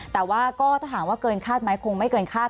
แต่ว่าก็ถ้าถามว่าเกินคาดไหมคงไม่เกินคาด